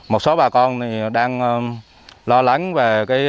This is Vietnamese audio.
một số bà con đang lo lắng về tình hình dịch bệnh covid